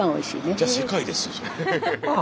じゃ世界ですよそれ。